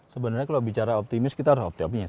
sebenarnya kalau bicara optimis kita harus optimis